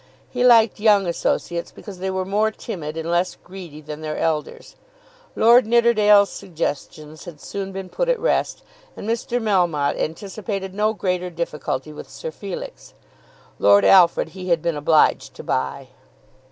He liked young associates because they were more timid and less greedy than their elders. Lord Nidderdale's suggestions had soon been put at rest, and Mr. Melmotte anticipated no greater difficulty with Sir Felix. Lord Alfred he had been obliged to buy.